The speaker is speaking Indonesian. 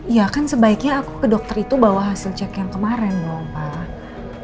ya kan sebaiknya aku ke dokter itu bawa hasil cek yang kemarin dong pak